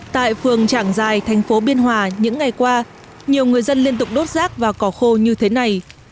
tại phường trảng giài thành phố biên hòa những ngày qua nhiều người dân liên tục đốt rác vào cỏ khô như thế này